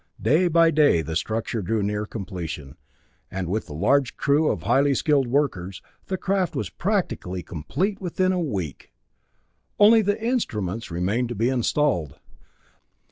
Day by day the structure drew nearer completion, and, with the large crew of highly skilled workers, the craft was practically complete within a week. Only the instruments remained to be installed.